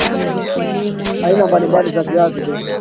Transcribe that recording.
aina mbali mbali za viazi lishe